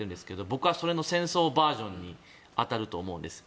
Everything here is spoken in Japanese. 僕は、それの戦争バージョンに当たると思うんです。